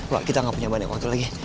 wah kita gak punya banyak waktu lagi